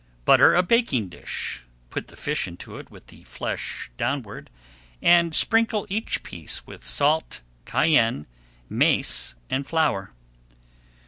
Butter a baking dish, put the fish into it with the flesh downward, and sprinkle each piece with salt, cayenne, mace, and flour.